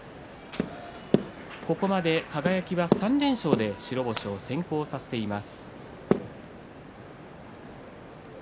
ここまで輝が３連勝で白星を先行させています。